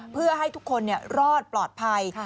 เพื่อให้ทุกคนรอดปลอดภัย